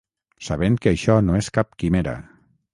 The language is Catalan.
Sabent que això no és cap quimera.